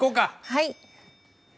はい。